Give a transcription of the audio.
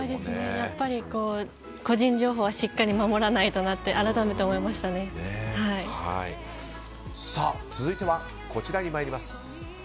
やっぱり個人情報はしっかり守らないとなと続いてはこちらに参ります。